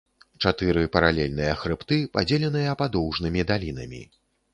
Чатыры паралельныя хрыбты, падзеленыя падоўжнымі далінамі.